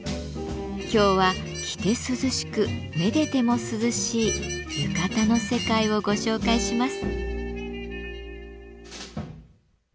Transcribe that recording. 今日は着て涼しくめでても涼しい浴衣の世界をご紹介します。